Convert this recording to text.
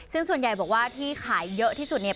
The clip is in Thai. ซึ่งส่วนใหญ่บอกว่าที่ขายเยอะที่สุดเนี่ย